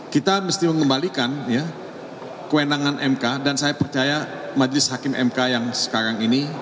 kita mesti mengembalikan kewenangan mk dan saya percaya majelis hakim mk yang sekarang ini